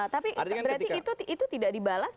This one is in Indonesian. tapi berarti itu tidak dibalas